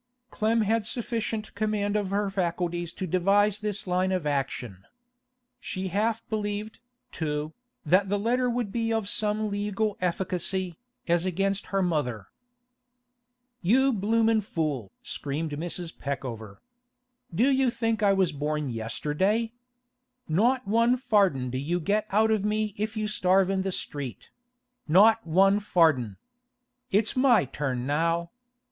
Clem had sufficient command of her faculties to devise this line of action. She half believed, too, that the letter would be of some legal efficacy, as against her mother. 'You bloomin' fool!' screamed Mrs. Peckover. 'Do you think I was born yesterday? Not one farden do you get out of me if you starve in the street—not one farden! It's my turn now.